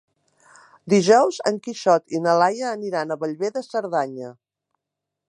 Dijous en Quixot i na Laia aniran a Bellver de Cerdanya.